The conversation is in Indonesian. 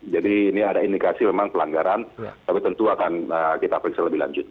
ini ada indikasi memang pelanggaran tapi tentu akan kita periksa lebih lanjut